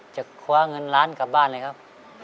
จะคว้าเงินล้านกลับบ้านเลยครับ